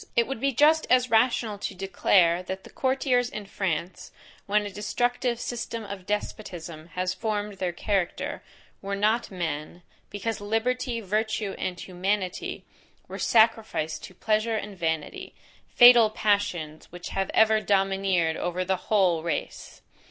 It would be just as rational to declare, that the courtiers in France, when a destructive system of despotism had formed their character, were not men, because liberty, virtue, and humanity, were sacrificed to pleasure and vanity. Fatal passions, which have ever domineered over the WHOLE race!